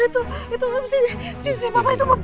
itu itu siapa siapa itu